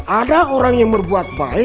ada orang yang berbuat baik